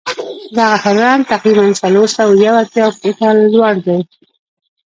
دغه هرم تقریبآ څلور سوه یو اتیا فوټه لوړ دی.